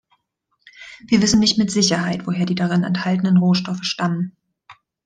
Wir wissen nicht mit Sicherheit, woher die darin enthaltenen Rohstoffe stammen.